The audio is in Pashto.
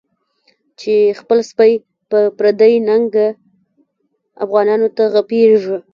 چی خپل سپی په پردی ننګه، افغانانو ته غپیږی